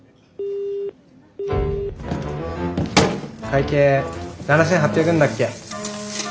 ☎会計７，８００円だっけ？